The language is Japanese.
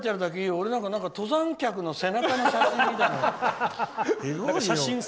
俺なんか登山客の背中の写真みたいな。